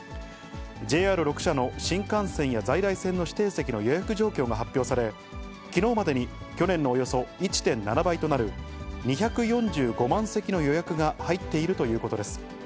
ＪＲ６社の新幹線や在来線の指定席の予約状況が発表され、きのうまでに去年のおよそ１．７倍となる２４５万席の予約が入っているということです。